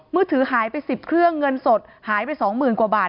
มือถือหายไป๑๐เครื่องเงินสดหายไปสองหมื่นกว่าบาท